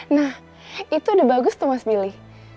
nah itu udah bagus tuh mas billy